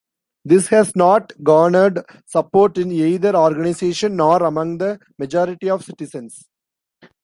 This has not garnered support in either organisation nor among the majority of citizens.